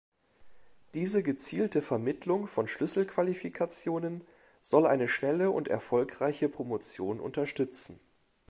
Diese gezielte Vermittlung von Schlüsselqualifikationen soll eine schnelle und erfolgreiche Promotion unterstützen.